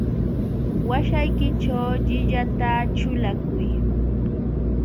Waśhaykićhu llillata ćhulakuy.